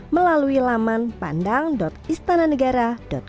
melalui laman pandang istananegara com